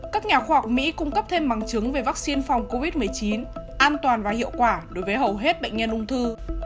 các nhà khoa học mỹ cung cấp thêm bằng chứng về vaccine phòng covid một mươi chín an toàn và hiệu quả đối với hầu hết bệnh nhân ung thư